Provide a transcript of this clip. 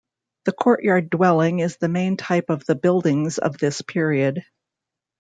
The courtyard dwelling is the main type of the buildings of this period.